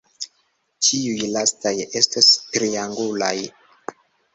Tiuj lastaj estos triangulaj.